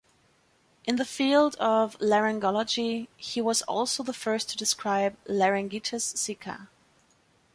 In the field of laryngology, he was also the first to describe “laryngitis sicca”.